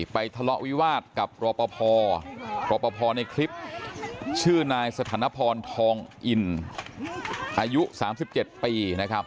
ทะเลาะวิวาสกับรอปภรอปภในคลิปชื่อนายสถานพรทองอินอายุ๓๗ปีนะครับ